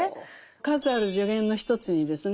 数ある助言の一つにですね